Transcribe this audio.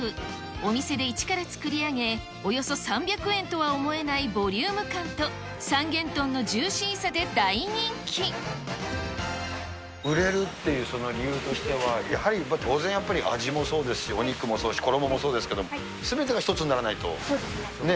お店で一から作り上げ、およそ３００円とは思えないボリューム感と三元豚のジューシーさで大人売れるっていうその理由としては、やはり当然やっぱり、味もそうですし、お肉もそうですし、衣もそうですけれども、すべてが一つにならないとね。